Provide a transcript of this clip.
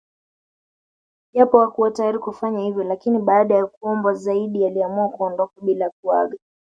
Japo hakuwa tayari kufanya hivyo lakini baada ya kuombwa zaidi aliamua kuondoka bila kuaga